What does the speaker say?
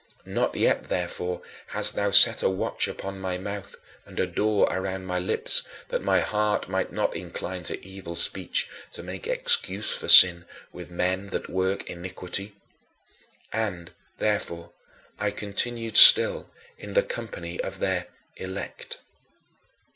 Not yet, therefore, hadst thou set a watch upon my mouth and a door around my lips that my heart might not incline to evil speech, to make excuse for sin with men that work iniquity. And, therefore, I continued still in the company of their "elect."